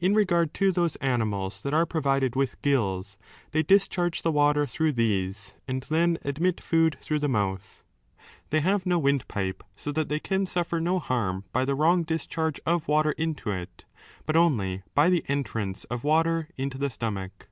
In regard to those animals that are pro vided with gills, they discharge the water through these and then admit food through the mouth. They have no windpipe, so that they can suffer no harm by the wrong discharge of water into it, but only by 6 the entrance of water into the stomach.